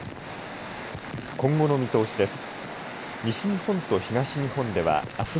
今後の見通しです。